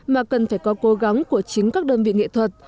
mà cần phải có cố gắng của chính các đơn vị nghệ thuật